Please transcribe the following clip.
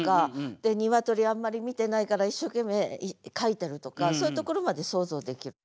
で鶏あんまり見てないから一生懸命描いてるとかそういうところまで想像できる。